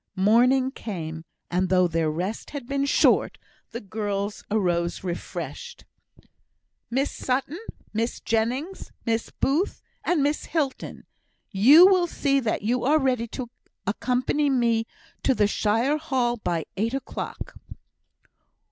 Morning came, and though their rest had been short, the girls arose refreshed. "Miss Sutton, Miss Jennings, Miss Booth, and Miss Hilton, you will see that you are ready to accompany me to the shire hall by eight o'clock."